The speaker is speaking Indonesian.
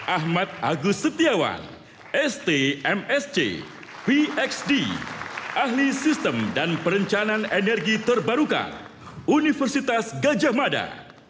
ahmad agus setiawan st msc vxd ahli sistem dan perencanaan energi terbarukan universitas gajah mada